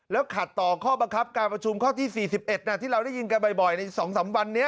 ขัดต่อข้อบังคับการประชุมข้อที่๔๑ที่เราได้ยินกันบ่อยใน๒๓วันนี้